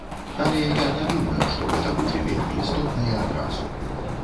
Але я не думаю, што гэта будзе вельмі істотна і адразу.